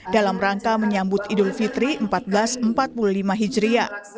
dalam rangka menyambut idul fitri seribu empat ratus empat puluh lima hijriah